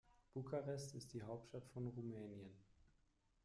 Bukarest ist die Hauptstadt von Rumänien.